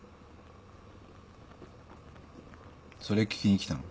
それ聞きに来たの？